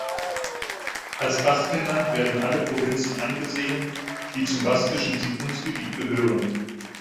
Als Baskenland werden alle Provinzen angesehen, die zum baskischen Siedlungsgebiet gehören.